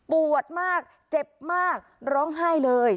ปวดมากเจ็บมากร้องไห้เลย